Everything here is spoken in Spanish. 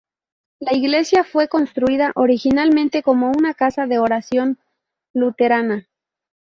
La iglesia fue construida originalmente como una casa de oración luterana.